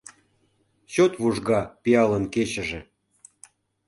Чот вужга пиалын кечыже.